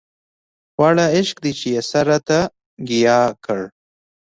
واړه عشق دی چې يې سر راته ګياه کړ